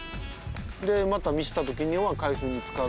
でまた満ちた時には海水につかる。